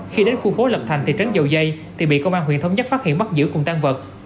khi đến khu phố lập thành thị trấn dầu dây thì bị công an huyện thống nhất phát hiện bắt giữ cùng tan vật